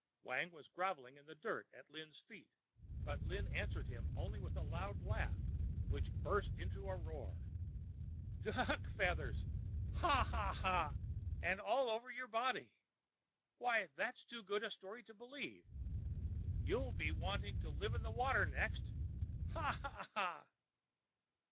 Wang was grovelling in the dirt at Lin's feet, but Lin answered him only with a loud laugh which finally burst into a roar. "Duck feathers! ha! ha! ha! and all over your body? Why, that's too good a story to believe! You'll be wanting to live in the water next. Ha! Ha! Ha!"